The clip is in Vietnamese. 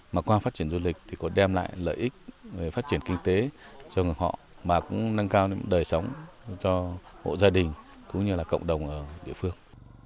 mà qua phát triển du lịch thì có đem lại lợi ích về phát triển kinh tế họ mà cũng nâng cao đời sống cho hộ gia đình cũng như là cộng đồng ở địa phương